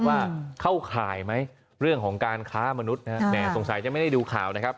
ว่าเข้าข่ายไหมเรื่องของการค้ามนุษย์แม่สงสัยจะไม่ได้ดูข่าวนะครับ